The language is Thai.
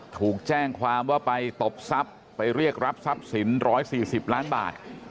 ถูกแจ้งความว่าไปตบทรัพย์ไปเรียกรับทรัพย์สิน๑๔๐ล้านบาท